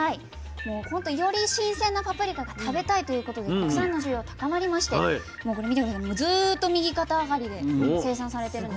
もうほんとより新鮮なパプリカが食べたいということで国産の需要高まりましてずっと右肩上がりで生産されてるんですね。